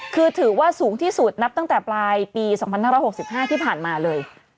คือถือว่าสูงที่สุดนับตั้งแต่ปลายปี๒๕๖๕ที่ผ่านมาเลย